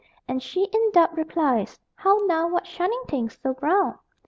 _ And she, in doubt, replies How now, what shining things _So brown?